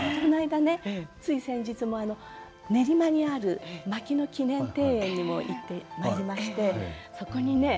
つい先日も練馬にある牧野記念庭園にも行ってまいりまして、そこにね